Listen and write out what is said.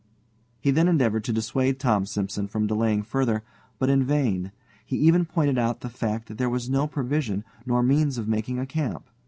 He then endeavored to dissuade Tom Simson from delaying further, but in vain. He even pointed out the fact that there was no provision, nor means of making a camp.